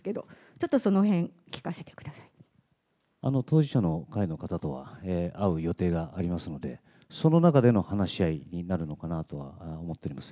ちょっとそのへん、聞かせてくだ当事者の会の方とは会う予定がありますので、その中での話し合いになるのかなとは思っています。